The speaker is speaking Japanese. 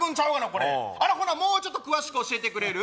これほなもうちょっと詳しく教えてくれる？